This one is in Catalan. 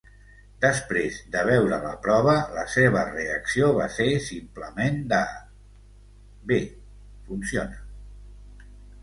Després de veure la prova, la seva reacció va ser simplement de: Bé, funciona.